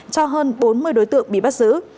cho hơn bốn mươi đối tượng bị bắt giữ